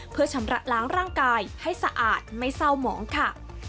เพื่อชำระล้างร่างกายให้สะอาดไม่เศร้าหมองค่ะ